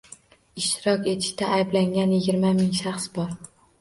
Ishtirok etishda ayblangan yigirma ming shaxs bor